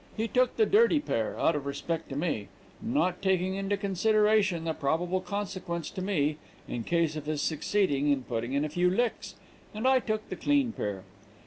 He took the dirty pair out of respect to me (not taking into consideration the probable consequence to me, in case of his succeeding in putting in a few licks), and I took the clean pair.